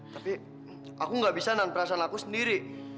tapi aku gak bisa nan perasaan aku sendiri